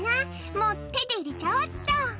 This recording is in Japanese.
「もう手で入れちゃおうっと」